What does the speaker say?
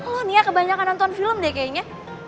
loh nih ya kebanyakan nonton film deh kayaknya